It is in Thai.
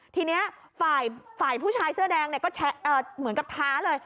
ทีนี้ฝ่ายฝ่ายผู้ชายเสื้อแดงเนี่ยก็แชะเอ่อเหมือนกับท้าเลย